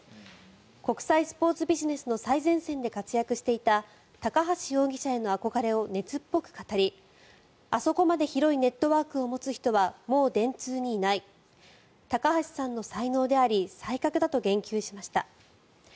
国際スポーツビジネスの最前線で活躍していた高橋容疑者への憧れを熱っぽく語りあそこまで広いネットワークを持つ人は、もう電通にいない高橋さんの才能であり才覚だと言及しました。